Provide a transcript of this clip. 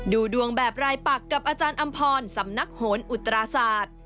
ดูดวงแบบรายปักกับอาจารย์อำพรสำนักโหนอุตราศาสตร์